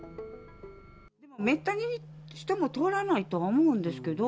めったに人も通らないと思うんですけど。